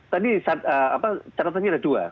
tadi catatannya ada dua